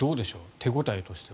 手応えとしては。